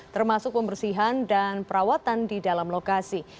termasuk pembersihan dan perawatan di dalam lokasi